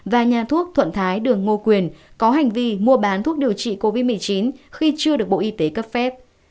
và nhà thuốc thuận thái đường ngô quyền có hành vi mua bán thuốc điều trị covid một mươi chín khi chưa được bộ y tế cấp phép